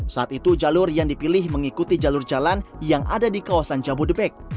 saat itu jalur yang dipilih mengikuti jalur jalan yang ada di kawasan jabodebek